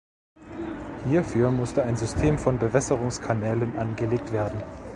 Hierfür musste ein System von Bewässerungskanälen angelegt werden.